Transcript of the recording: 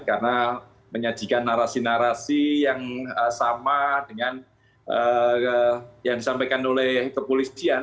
karena menyajikan narasi narasi yang sama dengan yang disampaikan oleh kepolisian